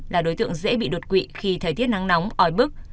là đối tượng dễ bị đột quỵ khi thời tiết nắng nóng oi bức